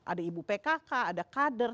ada ibu pkk ada kader